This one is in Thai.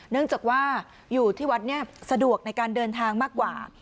เนื่องจากว่าอยู่ที่วัดนี้สะดวกในการเดินทางมากกว่า